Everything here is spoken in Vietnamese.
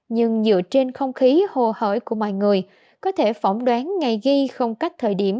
nhưng dựa trên không khí hồ hởi của mọi người có thể phỏng đoán ngày ghi không cách thời điểm